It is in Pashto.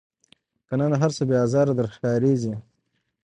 که نن هرڅه بې آزاره در ښکاریږي